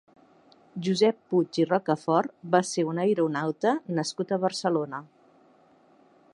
Josep Puig i Rocafort va ser un aeronauta nascut a Barcelona.